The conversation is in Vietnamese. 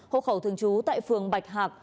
hộ khẩu thường trú tại phường bạch hạc